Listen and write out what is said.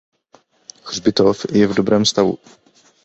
Hřbitov je v dobrém stavu.